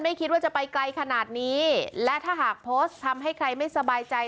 คิดว่าจะไปไกลขนาดนี้และถ้าหากโพสต์ทำให้ใครไม่สบายใจ